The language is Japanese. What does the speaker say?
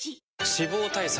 脂肪対策